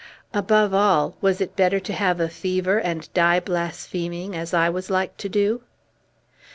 Above all, was it better to have a fever and die blaspheming, as I was like to do?